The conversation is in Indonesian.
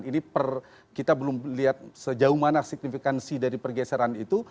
ini per kita belum lihat sejauh mana signifikansi dari pergeseran itu